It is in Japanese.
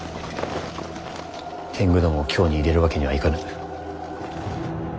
天狗どもを京に入れるわけにはいかぬ。